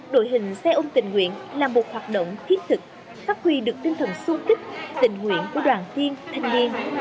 đội hình xe ôm tình nguyện là một hoạt động thiết thực phát huy được tinh thần sưu tích tình nguyện của đoàn tiên thành viên